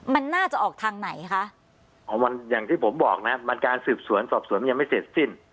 มันน่าจะออกทางไหนคะอย่างที่ผมบอกนะฮะบรรการสืบสวนสอบสวนยังไม่เสร็จสิ้น